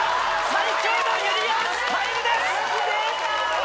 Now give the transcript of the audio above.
最強のゆりやんスタイルです！